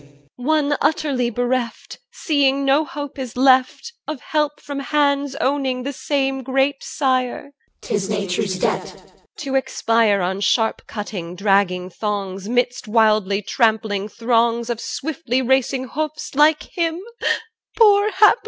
EL. One utterly bereft, Seeing no hope is left, Of help from hands owning the same great sire. CH. 12. 'Tis nature's debt. II 2 EL. To expire On sharp cut dragging thongs, 'Midst wildly trampling throngs Of swiftly racing hoofs, like him, Poor hapless one?